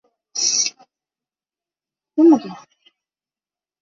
曾祖父王俊。